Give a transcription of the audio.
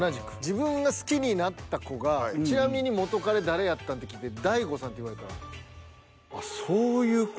自分が好きになった子が「ちなみに元カレ誰やったん？」って聞いて「大悟さん」って言われたら。